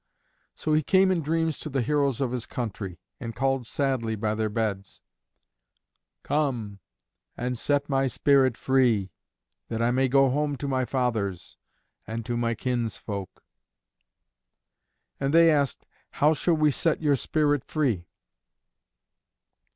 So he came in dreams to the heroes of his country, and called sadly by their beds, "Come and set my spirit free, that I may go home to my fathers and to my kinsfolk." And they asked, "How shall we set your spirit free?"